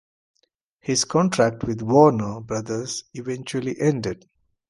His contract with Warner Brothers eventually ended.